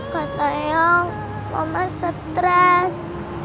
kata yang mama stres